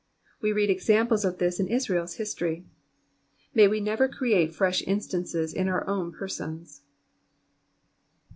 We read examples of this in IsraePs history ; may we never create fresh instances in our own persons.